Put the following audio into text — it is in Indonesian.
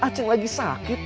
aceh lagi sakit